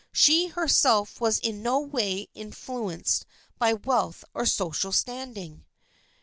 She herself was in no way in fluenced by wealth or social standing.